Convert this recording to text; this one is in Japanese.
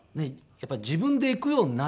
やっぱり自分で行くようになったら。